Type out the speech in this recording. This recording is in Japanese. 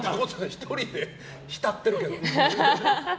１人で浸ってるけど。